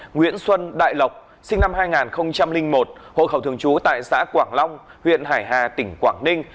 nguyễn xuân đại lộc sinh năm hai nghìn một hộ khẩu thường trú tại xã quảng long huyện hải hà tỉnh quảng ninh